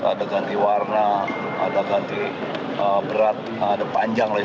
ada ganti warna ada ganti berat ada panjang lagi